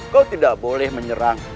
kau tidak boleh menyerang